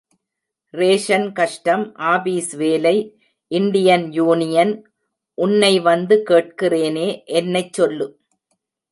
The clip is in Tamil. ரேஷன் கஷ்டம், ஆபீஸ் வேலை, இண்டியன் யூனியன்...... உன்னை வந்து கேட்கிறேனே, என்னைச் சொல்லு!